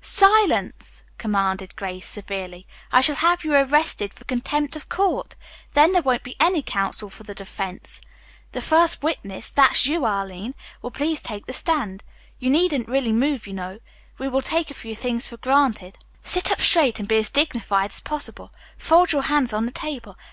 "Silence," commanded Grace severely. "I shall have you arrested for contempt of court. Then there won't be any counsel for the defense. The first witness, that's you, Arline, will please take the stand. You needn't really move, you know. We will take a few things for granted. Sit up straight and be as dignified as possible. Fold your hands on the table.